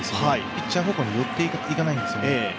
ピッチャー方向に寄っていかないんですよね。